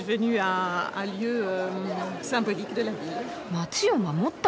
街を守った？